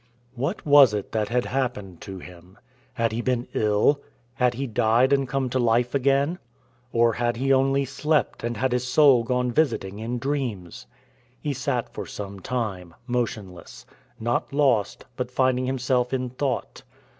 What was it that had happened to him? Had he been ill? Had he died and come to life again? Or had he only slept, and had his soul gone visiting in dreams? He sat for some time, motionless, not lost, but finding himself in thought.